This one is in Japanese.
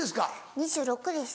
２６歳です。